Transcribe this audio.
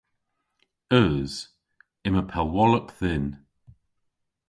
Eus. Yma pellwolok dhyn.